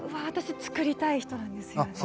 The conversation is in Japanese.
私つくりたい人なんですよね。